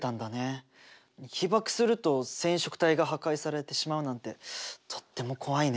被ばくすると染色体が破壊されてしまうなんてとっても怖いね。